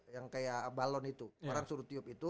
yang kayak balon itu orang suruh tiup itu